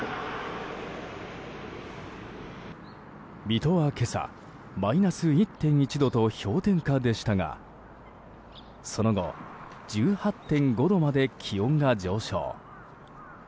水戸は今朝マイナス１．１度と氷点下でしたがその後１８．５度まで気温が上昇。